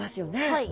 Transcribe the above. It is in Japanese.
はい。